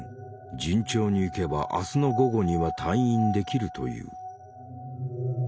順調にいけば明日の午後には退院できるという。